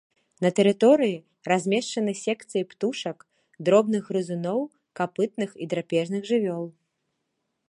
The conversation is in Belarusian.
На тэрыторыі размешчаны секцыі птушак, дробных грызуноў, капытных і драпежных жывёл.